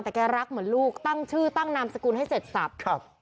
แต่แกรักเหมือนลูกตั้งชื่อตั้งนามสกุลให้เสร็จสับครับ